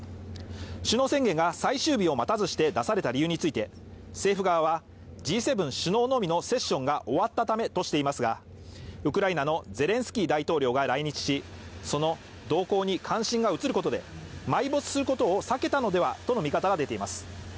首脳宣言が最終日を待たずして出された理由について政府側は、Ｇ７首脳のみのセッションが終わったためとしていますがウクライナのゼレンスキー大統領が来日し、その動向に関心が移ることで埋没することを避けたのではとの見方が出ています。